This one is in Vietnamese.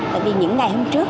tại vì những ngày hôm trước